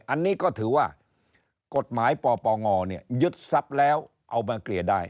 อันนี้ก็ถือว่ากฎหมายปปงยึดทรัพย์แล้วเอามาเกลี่ยได้